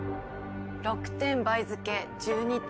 ６点倍付け１２点。